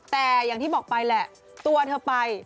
แต่อย่างที่บอกไปแหละตัวเธอไป